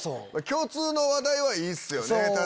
共通の話題はいいっすよね。